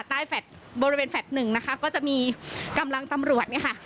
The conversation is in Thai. แฟลตบริเวณแฟลต์หนึ่งนะคะก็จะมีกำลังตำรวจเนี่ยค่ะ